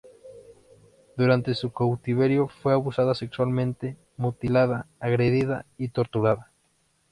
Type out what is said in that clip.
Durante su cautiverio fue abusada sexualmente, mutilada, agredida y torturada.